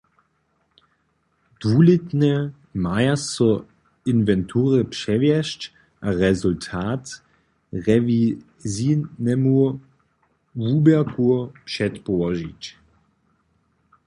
Dwulětnje maja so inwentury přewjesć a rezultat rewizijnemu wuběrkej předpołožić.